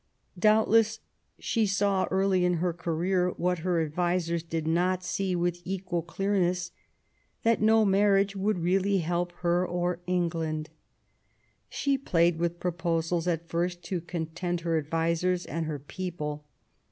Doubtless she saw, early in her career, what her advisers did not see with equal clearness, that no marriage would really help her or England. She played with proposals at first to content her advisers and her people.